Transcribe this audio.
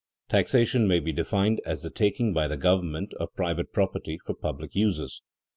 _ Taxation may be defined as the taking by the government of private property for public uses.